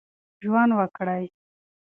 ژوند ورکړئ.